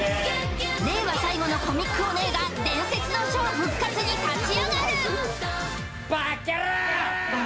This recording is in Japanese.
令和最後のコミックオネエが伝説のショー復活に立ち上がるバッキャロー！